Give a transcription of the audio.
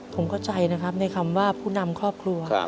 ผมเข้าใจนะครับในคำว่าผู้นำครอบครัว